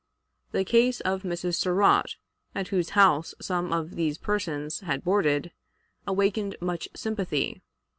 The case of Mrs. Surratt, at whose house some of these persons had boarded, awakened much sympathy.